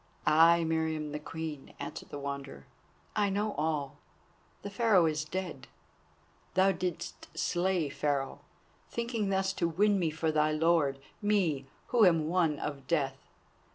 "Ay, Meriamun the Queen," answered the Wanderer, "I know all. The Pharaoh is dead! Thou didst slay Pharaoh, thinking thus to win me for thy Lord, me, who am won of Death.